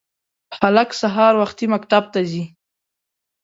هلک سهار وختي مکتب ته ځي